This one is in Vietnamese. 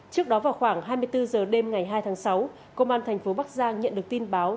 trước đó vào khoảng hai mươi bốn h đêm ngày hai tháng sáu công an thành phố bắc giang nhận được tin báo